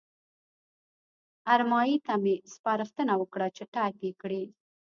ارمایي ته مې سپارښتنه وکړه چې ټایپ یې کړي.